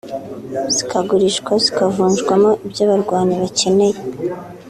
zikagurishwa zikavunjwamo ibyo abarwanyi bakeneye